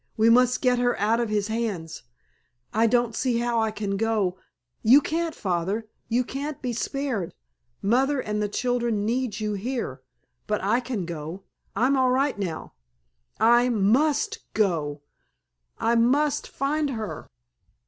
We must get her out of his hands. I don't see how I can go——" "You can't, Father! You can't be spared. Mother and the children need you here. But I can go—I'm all right now—I must go—I must find her!"